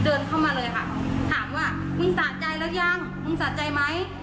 เดินเข้ามาเลยค่ะถามว่ามึงสะใจแล้วยังมึงสะใจไหม